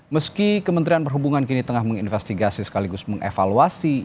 meski kementerian perhubungan kini tengah menginvestigasi sekaligus mengevaluasi